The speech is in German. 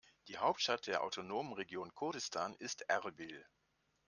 Die Hauptstadt der autonomen Region Kurdistan ist Erbil.